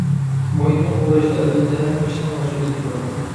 مۇھىتنى قوغداشتا ئەلۋەتتە ھەممە كىشىنىڭ مەسئۇلىيىتى بار.